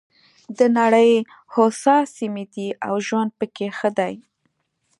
د نړۍ هوسا سیمې دي او ژوند پکې ښه دی.